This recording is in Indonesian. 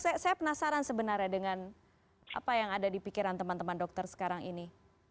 saya penasaran sebenarnya dengan apa yang ada di pikiran teman teman dokter sekarang ini